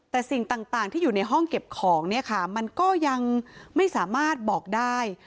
แต่สิ่งต่างที่อยู่ในห้องเก็บของเนี่ยค่ะมันก็ยังไม่สามารถบอกได้